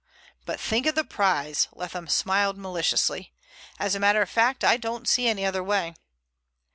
"But think of the prize," Leatham smiled maliciously. "As a matter of fact I don't see any other way."